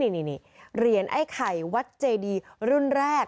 เหรียญไข่วัดเจดีรุ่นแรก